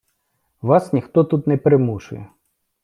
Вас ніхто тут не примушує.